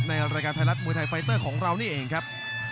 ในรายการไทยรัฐมวยไทยไฟเตอร์ของเรานี่เองครับ